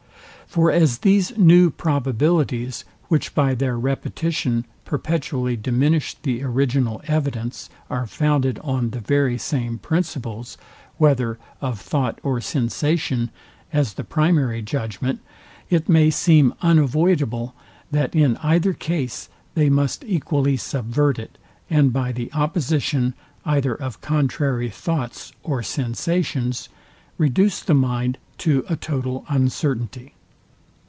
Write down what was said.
For as these new probabilities, which by their repetition perpetually diminish the original evidence, are founded on the very same principles, whether of thought or sensation, as the primary judgment, it may seem unavoidable, that in either case they must equally subvert it, and by the opposition, either of contrary thoughts or sensations, reduce the mind to a total uncertainty.